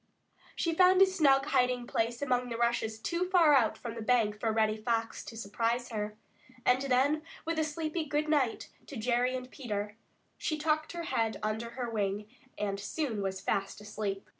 She found a snug hiding place among the rushes too far out from the bank for Reddy Fox to surprise her, and then with a sleepy "Good night" to Jerry and Peter, she tucked her head under her wing and soon was fast asleep.